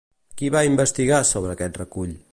Qui va investigar sobre aquest recull?